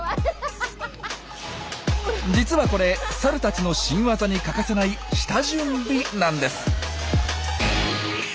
実はこれサルたちの新ワザに欠かせない下準備なんです。